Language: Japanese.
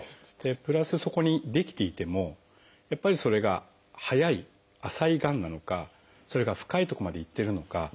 プラスそこに出来ていてもやっぱりそれが早い浅いがんなのかそれが深い所までいってるのか。